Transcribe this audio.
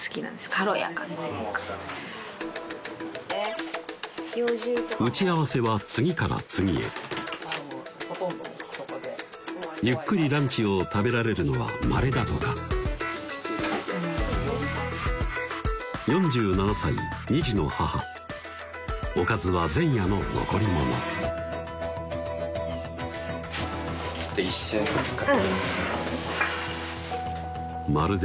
軽やかっていうか打ち合わせは次から次へゆっくりランチを食べられるのはまれだとか４７歳２児の母おかずは前夜の残り物うんまるで